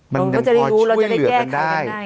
มันยังพอช่วยเหลือกันได้